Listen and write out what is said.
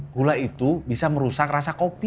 gula itu bisa merusak rasa kopi